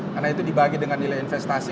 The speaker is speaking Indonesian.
karena itu dibagi dengan nilai investasi